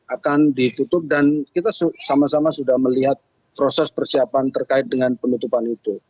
akan ditutup dan kita sama sama sudah melihat proses persiapan terkait dengan penutupan itu